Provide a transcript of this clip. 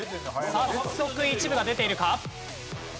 さあ早速一部が出ているか？